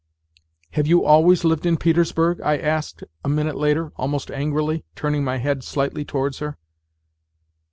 " Have you always lived in Petersburg? " I asked a minute later, almost angrily, turning my head slightly towards her.